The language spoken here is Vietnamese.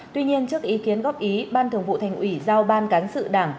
tuy nhiên trước ý kiến góp ý ban thường vụ thành ủy giao ban cán sự đảng